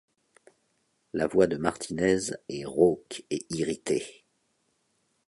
La voix de Martinez est rauque et irritée.